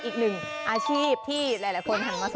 ดอกใหญ่ขายอยู่ที่ราคาดอกละ๒บาท